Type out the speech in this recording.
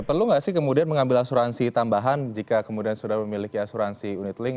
perlu nggak sih kemudian mengambil asuransi tambahan jika kemudian sudah memiliki asuransi unit link